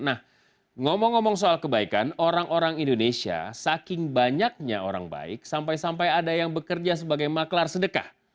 nah ngomong ngomong soal kebaikan orang orang indonesia saking banyaknya orang baik sampai sampai ada yang bekerja sebagai maklar sedekah